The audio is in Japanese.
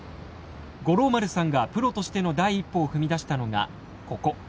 五郎丸さんがプロとしての第一歩を踏み出したのがここ。